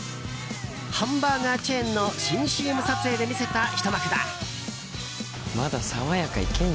ハンバーガーチェーンの新ＣＭ撮影で見せたひと幕だ。